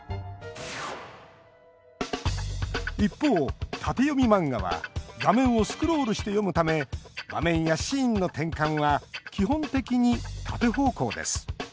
一方、縦読み漫画は画面をスクロールして読むため画面やシーンの転換は基本的に縦方向です。